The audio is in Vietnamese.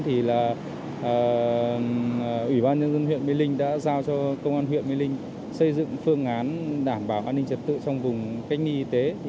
thì ủy ban nhân dân huyện mê linh đã giao cho công an huyện mê linh xây dựng phương án đảm bảo an ninh trật tự trong vùng cách ly y tế